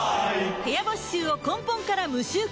部屋干し臭を根本から無臭化